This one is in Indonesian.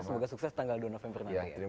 semoga sukses tanggal dua november nanti